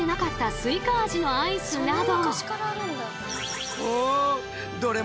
スイカ味のアイスなど！